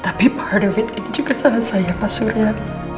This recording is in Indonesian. tapi part of it ini juga salah saya mas surya